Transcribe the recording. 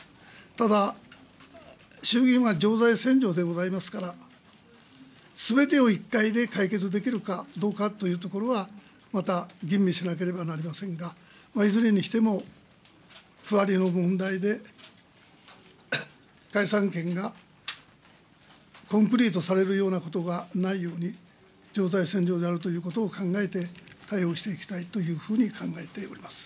ただ、衆議院は常在戦場でございますから、すべてを一回で解決できるかどうかというところは、また吟味しなければなりませんが、いずれにしても、区割りの問題で解散権がコンプリートされることがないように、常在戦場であるということを考えて、対応していきたいというふうに考えております。